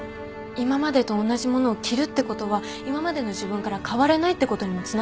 今までと同じ物を着るってことは今までの自分から変われないってことにもつながるんだよ。